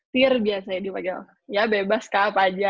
tir biasa ya dipanggil ya bebas kak apa aja